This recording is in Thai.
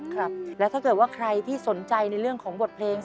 ครับแล้วถ้าเกิดว่าใครที่สนใจในเรื่องของบทเพลง